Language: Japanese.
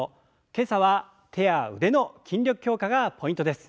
今朝は手や腕の筋力強化がポイントです。